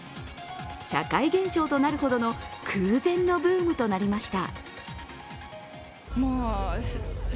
社会現象となるほどの空前のブームとなりました。